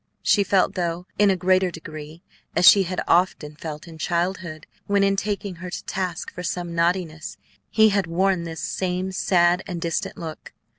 She felt, though in a greater degree, as she had often felt in childhood, when, in taking her to task for some naughtiness, he had worn this same sad and distant look.